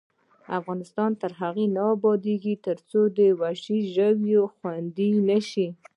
افغانستان تر هغو نه ابادیږي، ترڅو وحشي ژوي خوندي نشي.